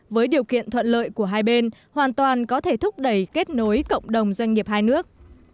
với điều kiện thuận lợi của hai bên hoàn toàn có thể thúc đẩy kết nối cộng đồng doanh nghiệp hai nước